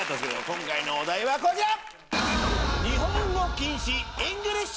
今回のお題はこちら！